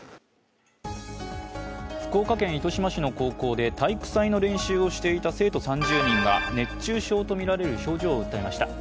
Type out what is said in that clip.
福岡県糸島市の高校で体育祭の練習をしていた生徒３０人が熱中症とみられる症状を訴えました。